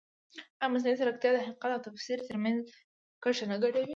ایا مصنوعي ځیرکتیا د حقیقت او تفسیر ترمنځ کرښه نه ګډوډوي؟